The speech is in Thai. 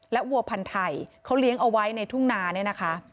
และวัวพันธ์ไทยเขาเลี้ยงเอาไว้ในทุ่งนาเนี่ยนะคะ